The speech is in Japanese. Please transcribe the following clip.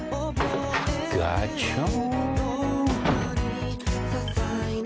ガチョーン。